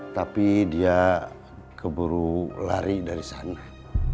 tapi dia keburu lari dari sana